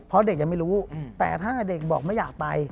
เพราะเด็กยังไม่รู้แต่ถ้าเด็กบอกไม่อยากไป